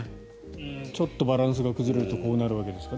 ちょっとバランスが崩れるとこうなるわけですから。